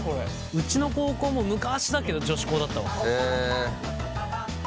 うちの高校も昔だけど女子校だったわ。